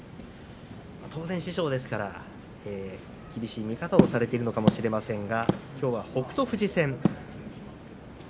師匠ですから厳しい見方をされているのかもしれませんがきょうは北勝富士戦。